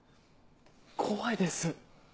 怖いです。